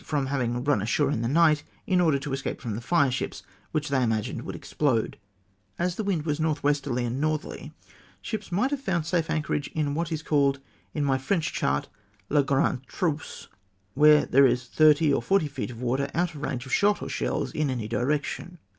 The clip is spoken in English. from having run ashore in the night, in order to escape from the fire ships, which they imagined woukl expk)de. " As the wind was north westerly and northerly, ships might have found safe anchorage in what is called, in my French chart, le Grand Trousse, where there is thirty or forty feet of water oid of range of shot or shells in any direction.